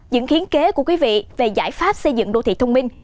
những khiến kế của quý vị về giải pháp xây dựng đô thị thông minh